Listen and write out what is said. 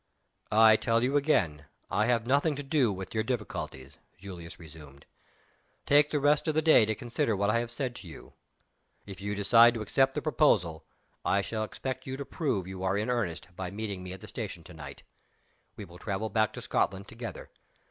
_" "I tell you again, I have nothing to do with your difficulties," Julius resumed. "Take the rest of the day to consider what I have said to you. If you decide to accept the proposal, I shall expect you to prove you are in earnest by meeting me at the station to night. We will travel back to Scotland together.